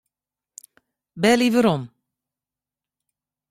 Belje werom.